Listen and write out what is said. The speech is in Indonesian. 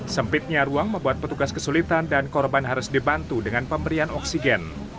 sempitnya ruang membuat petugas kesulitan dan korban harus dibantu dengan pemberian oksigen